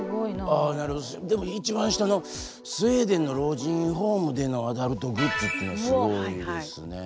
でも一番下のスウェーデンの老人ホームでのアダルトグッズっていうのはすごいですねえ。